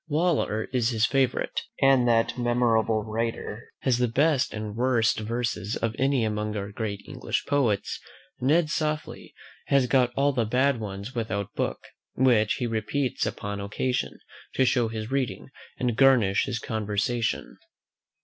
Waller is his favourite: and as that admirable writer has the best and worst verses of any among our great English poets, Ned Softly has got all the bad ones without book, which he repeats upon occasion, to show his reading, and garnish his conversation.